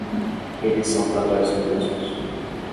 Eles são relatórios robustos.